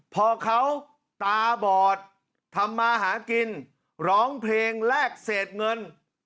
พอเขาตาบอดทำมาหากินร้องเพลงแลกเศษเงิน